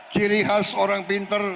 ciri khas orang pinter